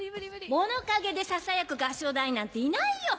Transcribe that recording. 物陰でささやく合唱団員なんていないよ！